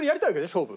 勝負。